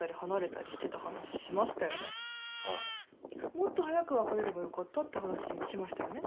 もっと早く別れればよかったって話しましたよね？